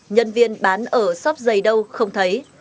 nhân viên bán ở shop giày đâu không thấy